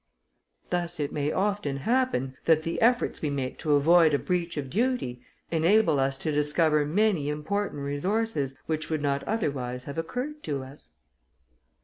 Thus it may often happen, that the efforts we make to avoid a breach of duty, enable us to discover many important resources, which would not otherwise have occurred to us."